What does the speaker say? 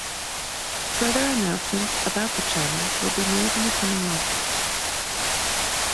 Further announcements about the channel would be made in the coming months.